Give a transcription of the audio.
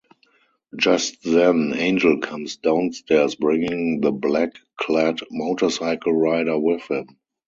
Just then, Angel comes downstairs, bringing the black-clad motorcycle rider with him.